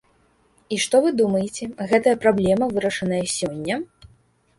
І што вы думаеце, гэтая праблема вырашаная сёння?